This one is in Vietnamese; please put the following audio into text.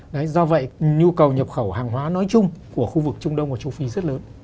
đấy do vậy nhu cầu nhập khẩu hàng hóa nói chung của khu vực trung đông và châu phi rất lớn